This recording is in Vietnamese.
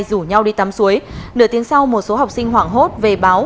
rủ nhau đi tắm suối nửa tiếng sau một số học sinh hoảng hốt về báo